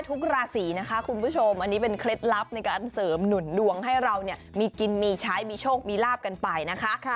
ทุกราศีนะคะคุณผู้ชมอันนี้เป็นเคล็ดลับในการเสริมหนุนดวงให้เราเนี่ยมีกินมีใช้มีโชคมีลาบกันไปนะคะ